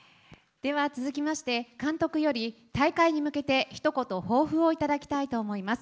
では続きまして、監督より、大会に向けてひと言、抱負を頂きたいと思います。